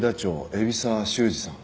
海老沢修二さん。